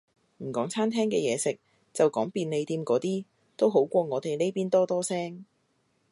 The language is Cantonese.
唔講餐廳嘅嘢食，就講便利店嗰啲，都好過我哋呢邊多多聲